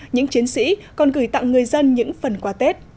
những chiến sĩ còn gửi tặng người dân những phần quà tết